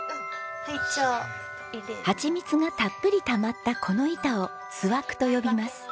ハチミツがたっぷりたまったこの板を「巣枠」と呼びます。